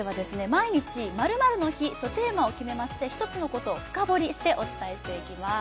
毎日○○の日とテーマを決めまして１つのことを深掘りしてお伝えしていきます